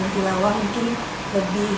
tilawah mungkin lebih